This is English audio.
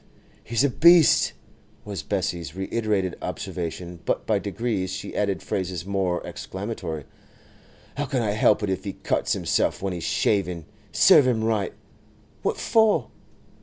'He's a beast!' was Bessie's reiterated observation; but by degrees she added phrases more explanatory. 'How can I help it if he cuts himself when he's shaving?—Serve him right!—What for?